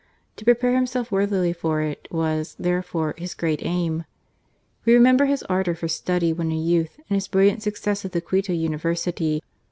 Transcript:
To pre pare himself worthily for it was, therefore, his great aim. We remember his ardour for study when a youth and his brilliant success at the Quito Uni versity.